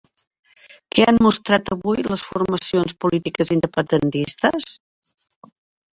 Què han mostrat avui les formacions polítiques independentistes?